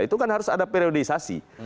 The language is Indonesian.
itu kan harus ada periodisasi